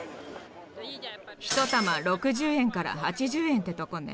ひと玉６０円から８０円ってとこね。